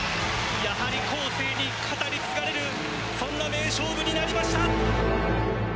やはり後世に語り継がれるそんな名勝負になりました。